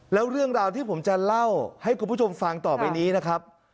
แล้วเรื่องราวที่ผมจะเล่าให้คุณผู้ชมฟังต่อไปนี้นะครับ